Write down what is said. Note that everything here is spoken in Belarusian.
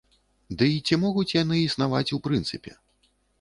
Ды і ці могуць яны існаваць у прынцыпе?